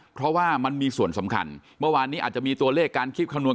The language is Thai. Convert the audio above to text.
เพราะว่ามันมีส่วนสำคัญเมื่อวานนี้อาจจะมีตัวเลขการคิดคำนวณ